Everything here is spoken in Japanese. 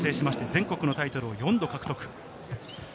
全国のタイトルを４度獲得。